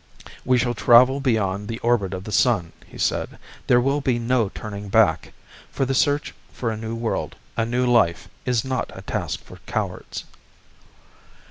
"We shall travel beyond the orbit of the sun," he said. "There will be no turning back; for the search for a new world, a new life, is not a task for cowards."